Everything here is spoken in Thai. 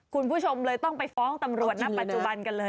คุณผู้ชมเลยก็ต้องไปฟ้องถำรวชมนักปัจจุบัน